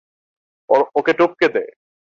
ওকে টপকে দে।